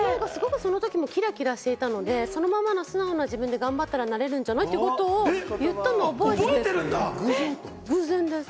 その時もキラキラしていたので、そのままの素直な自分で頑張ったらなれるんじゃない？って言ったの覚えてます。